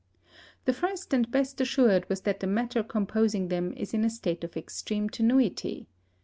The first and best assured was that the matter composing them is in a state of extreme tenuity.